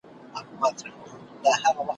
او پر خپله تنه وچ سې خپلو پښو ته به رژېږې `